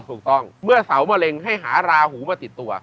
เมื่อเสามะเร็งให้หาราหูมาติดตัว